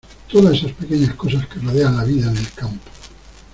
Todas esas pequeñas cosas que rodean la vida en el campo.